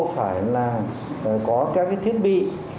phải là có các cái thiết bị